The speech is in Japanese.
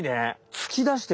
つき出してる。